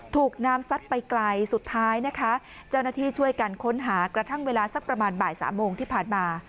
ถูกน้ำซัดไปไกลสุดท้ายนะคะเจ้าหน้าที่ช่วยกันค้นหากระทั่งเวลาสักประมาณบ่ายสามโมงที่ผ่านมา